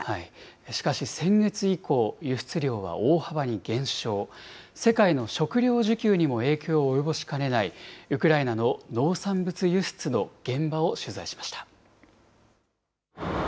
しかし、先月以降、輸出量は大幅に減少、世界の食料需給にも影響を及ぼしかねないウクライナの農産物輸出の現場を取材しました。